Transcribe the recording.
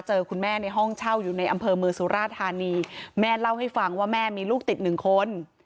คุณแม่ในห้องเช่าอยู่ในอำเภอเมืองสุราธานีแม่เล่าให้ฟังว่าแม่มีลูกติดหนึ่งคน